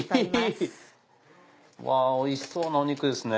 わぁおいしそうなお肉ですね。